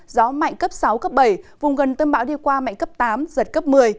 gió mạnh cấp sáu cấp bảy vùng gần tâm bão đi qua mạnh cấp tám giật cấp một mươi